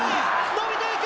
伸びていく。